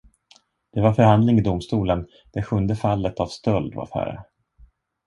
Det var förhandling i domstolen, det sjunde fallet av stöld var före.